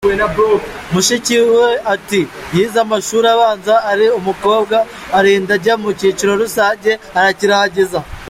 Mushikiwe ati “Yize amashuri abanza ari umukobwa, arinda ajya mu cyiciro rusange arakirangiza.